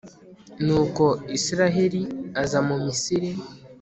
nuko israheli aza mu misiri